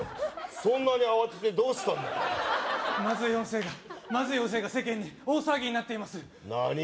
そんなに慌ててどうしたんだまずい音声がまずい音声が世間に大騒ぎになっています何？